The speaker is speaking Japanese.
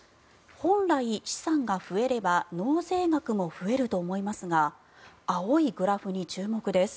本来、資産が増えれば納税額も増えると思いますが青いグラフに注目です。